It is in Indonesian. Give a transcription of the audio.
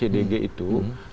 seperti apa sedimennya